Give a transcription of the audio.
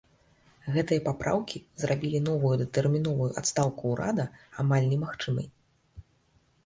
Гэтыя папраўкі зрабілі новую датэрміновую адстаўку ўрада амаль немагчымай.